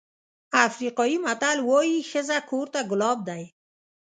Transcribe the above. افریقایي متل وایي ښځه کور ته ګلاب دی.